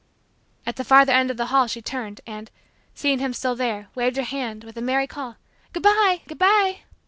At the farther end of the hall, she turned, and, seeing him still there, waved her hand with a merry call: "Good bye, good bye."